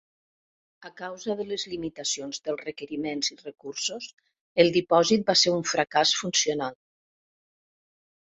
A causa de les limitacions dels requeriments i recursos, el dipòsit va ser un fracàs funcional.